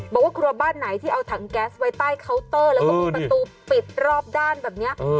บอกว่าครัวบ้านไหนที่เอาถังแก๊สไว้ใต้เคาน์เตอร์แล้วก็มีประตูปิดรอบด้านแบบนี้